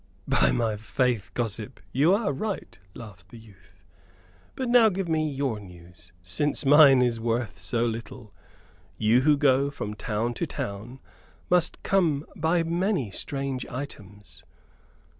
"By my faith, gossip, you are right!" laughed the youth. "But now give me your news, since mine is worth so little. You who go from town to town, must come by many strange items."